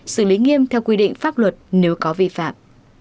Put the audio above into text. xử lý nghiêm theo quy định pháp luật nếu có vi phạm